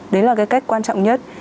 đấy là cái cách quan trọng nhất